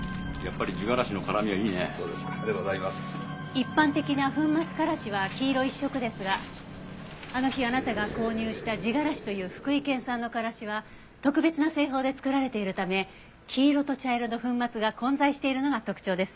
一般的な粉末カラシは黄色一色ですがあの日あなたが購入した地がらしという福井県産のカラシは特別な製法で作られているため黄色と茶色の粉末が混在しているのが特徴ですよね。